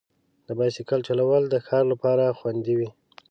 د بایسکل چلول د ښار لپاره خوندي وي.